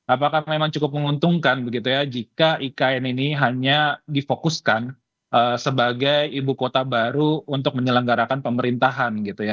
apakah memang cukup menguntungkan begitu ya jika ikn ini hanya difokuskan sebagai ibu kota baru untuk menyelenggarakan pemerintahan gitu ya